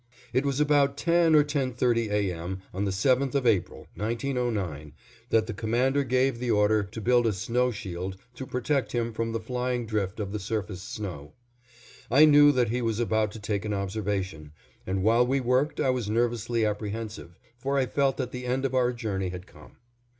It was about ten or ten thirty A. M., on the 7th of April, 1909, that the Commander gave the order to build a snow shield to protect him from the flying drift of the surface snow. I knew that he was about to take an observation, and while we worked I was nervously apprehensive, for I felt that the end of our journey had come.